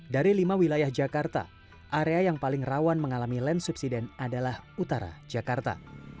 dari lima wilayah jakarta area yang paling rawan mengalami land subsiden adalah utara jakarta